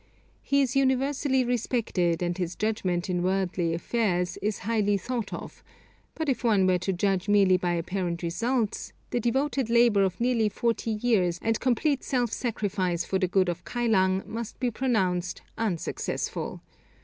He is universally respected, and his judgment in worldly affairs is highly thought of; but if one were to judge merely by apparent results, the devoted labour of nearly forty years and complete self sacrifice for the good of Kylang must be pronounced unsuccessful.